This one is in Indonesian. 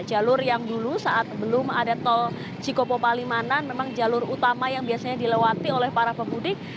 jalur yang dulu saat belum ada tol cikopo palimanan memang jalur utama yang biasanya dilewati oleh para pemudik